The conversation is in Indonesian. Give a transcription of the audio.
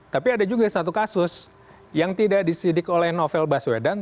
tapi ada juga satu kasus yang tidak disidik oleh novel baswedan